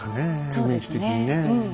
イメージ的にね。